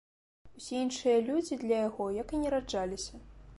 Усе іншыя людзі для яго, як і не раджаліся.